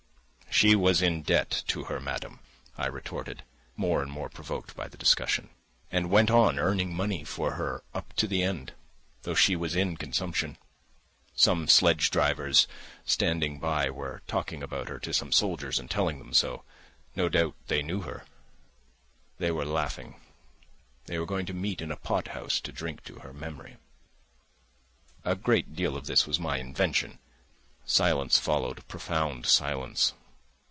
"She was in debt to her madam," I retorted, more and more provoked by the discussion; "and went on earning money for her up to the end, though she was in consumption. Some sledge drivers standing by were talking about her to some soldiers and telling them so. No doubt they knew her. They were laughing. They were going to meet in a pot house to drink to her memory." A great deal of this was my invention. Silence followed, profound silence.